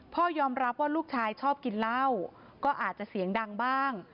พ่อยอมรับว่าลูกชายชอบกินเหล้าก็อาจจะเสียงดังบ้าง